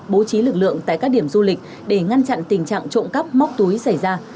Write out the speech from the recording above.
bố trí lực lượng tại các điểm du lịch để ngăn chặn tình trạng trộm cắp móc túi xảy ra